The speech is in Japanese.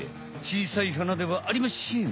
ちいさい花ではありましぇん！